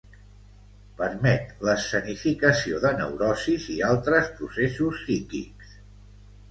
Permet l'escenificació de neurosis i altres processos psíquics.